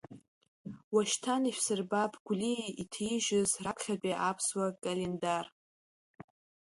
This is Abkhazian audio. Уашьҭан ишәсырбап Гәлиа иҭижьыз раԥхьаӡатәи аԥсуа календар.